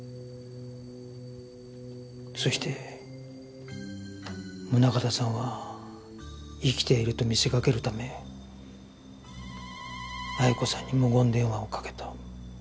そして宗形さんは生きていると見せかけるため鮎子さんに無言電話をかけた。